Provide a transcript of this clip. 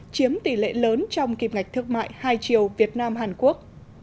chiếm tỷ lệ lớn trong kim ngạch thương mại hai chiều việt nam hàn quốc